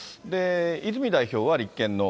泉代表は、立憲の。